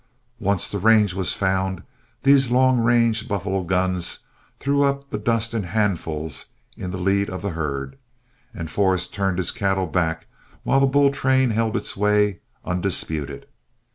Once the range was found, those long range buffalo guns threw up the dust in handfuls in the lead of the herd, and Forrest turned his cattle back, while the bull train held its way, undisputed.